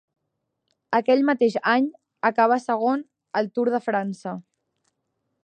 Aquell mateix any, acabà segon al Tour de França.